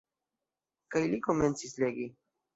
Kaj li komencis legi.